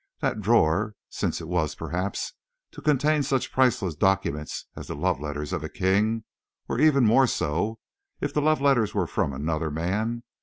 That drawer, since it was, perhaps, to contain such priceless documents as the love letters of a king even more so, if the love letters were from another man!